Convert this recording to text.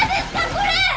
これ！